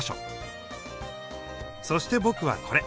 そして僕はこれ。